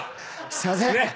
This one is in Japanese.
すいません。